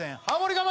我慢